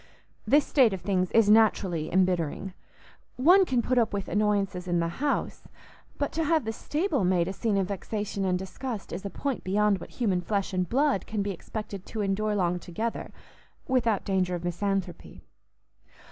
This state of things is naturally embittering; one can put up with annoyances in the house, but to have the stable made a scene of vexation and disgust is a point beyond what human flesh and blood can be expected to endure long together without danger of misanthropy.